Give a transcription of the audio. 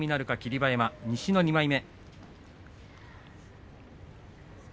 馬山西の２枚目。